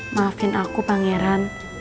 maafin aku pangeran